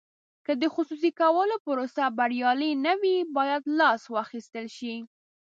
که د خصوصي کولو پروسه بریالۍ نه وي باید لاس واخیستل شي.